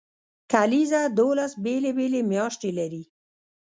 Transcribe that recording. کلیزه دولس بیلې بیلې میاشتې لري.